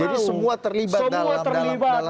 jadi semua terlibat dalam kemuatan politik identitas